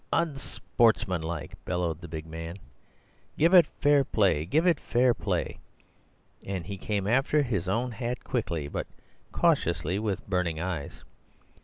"Unsportsmanlike!" bellowed the big man. "Give it fair play, give it fair play!" And he came after his own hat quickly but cautiously, with burning eyes.